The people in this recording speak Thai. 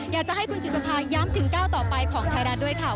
อยากจะให้คุณจิตภาย้ำถึงก้าวต่อไปของไทยรัฐด้วยค่ะ